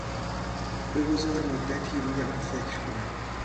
بگذار مدتی روی آن فکر کنم.